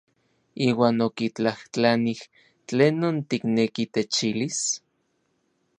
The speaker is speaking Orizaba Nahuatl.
Iuan okitlajtlanij: ¿Tlenon tikneki techilis?